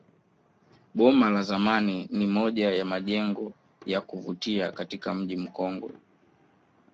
Boma la zamani ni moja ya majengo ya kuvutia katika mji mkongwe